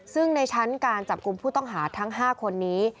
ซึ่งในชั้นการจับกลุ่มผู้ต้องหาทั้ง๕คนนี้